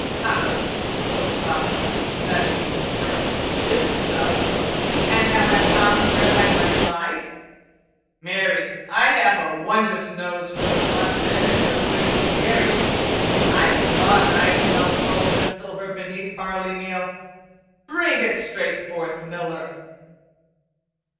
"Ha!" quoth Robin, nudging Will Scarlet. "Is it so? And have I found where thy money lies? Marry, I have a wondrous nose for the blessed image of good King Harry. I thought that I smelled gold and silver beneath the barley meal. Bring it straight forth, Miller."